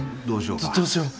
どうしよう？